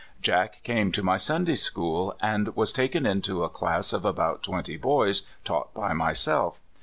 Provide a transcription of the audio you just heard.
Jack came to my Sunday school, and was taken into a class of about twenty boys taught by myself.